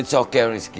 tidak masalah rizky